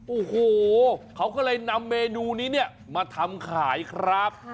โอ้โหเขาก็เลยนำเมนูนี้เนี่ยมาทำขายครับ